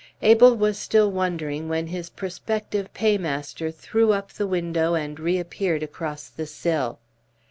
Abel was still wondering when his prospective paymaster threw up the window and reappeared across the sill.